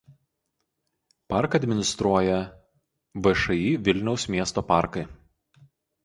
Parką administruoja Všį „Vilniaus miesto parkai“.